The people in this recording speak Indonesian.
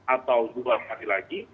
atau dua hari lagi